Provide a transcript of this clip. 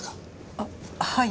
あっはい。